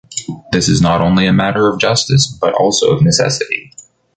This is not only a matter of justice, but also of necessity.